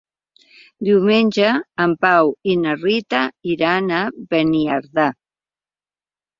Diumenge en Pau i na Rita iran a Beniardà.